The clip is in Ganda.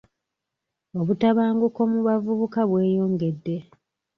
Obutabanguko mu bavubuka bweyongedde .